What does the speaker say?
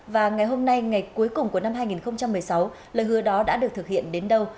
và ngày hôm nay ngày cuối cùng của năm hai nghìn một mươi sáu lời hứa đó đã được thực hiện đến đâu